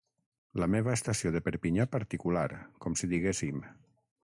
La meva estació de Perpinyà particular, com si diguéssim.